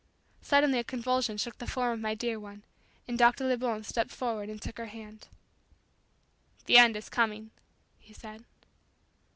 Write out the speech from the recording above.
Suddenly a convulsion shook the form of my dear one and Dr. Lebon stepped forward and took her hand. "The end is coming," he said.